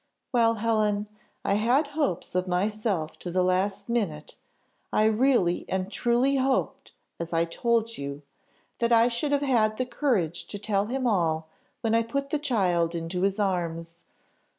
Well, Helen, I had hopes of myself to the last minute; I really and truly hoped, as I told you, that I should have had courage to tell him all when I put the child into his arms.